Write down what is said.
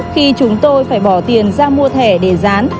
khi chúng tôi phải bỏ tiền ra mua thẻ để dán